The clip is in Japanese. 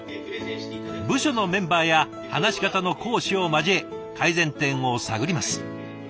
部署のメンバーや話し方の講師を交え改善点を探ります。